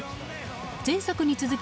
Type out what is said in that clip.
前作に続き